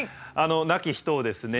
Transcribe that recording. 亡き人をですね